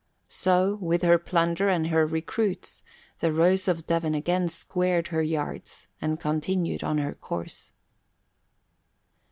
So, with her plunder and her recruits, the Rose of Devon again squared her yards and continued on her course.